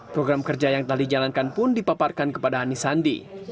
program kerja yang telah dijalankan pun dipaparkan kepada anies sandi